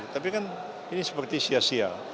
tapi kan ini seperti sia sia